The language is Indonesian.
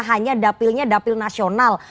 hanya dapilnya dapil nasional